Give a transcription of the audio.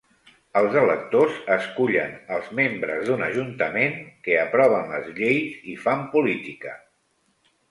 Els electors escullen els membres d'un ajuntament, que aproven les lleis i fan política.